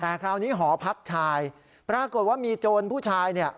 แต่คราวนี้หอพักชายปรากฏว่ามีโจรผู้ชายเนี่ย